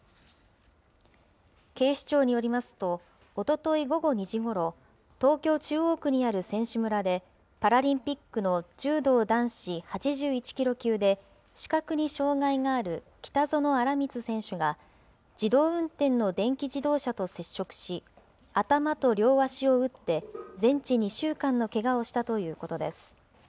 警視庁によりますと、おととい午後２時ごろ、東京・中央区にある選手村で、パラリンピックの柔道男子８１キロ級で視覚に障害がある北薗新光選手が、自動運転の電気自動車と接触し、頭と両足を打って、全治２週間のけがをしたということです。